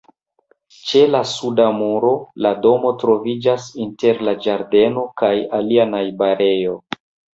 Ĉe la suda muro, la domo troviĝas inter la ĝardeno kaj alia najbarejo.